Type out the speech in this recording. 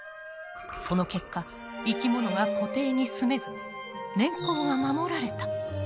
その結果生き物が湖底に住めず年縞が守られた。